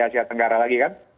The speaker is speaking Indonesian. asia tenggara lagi kan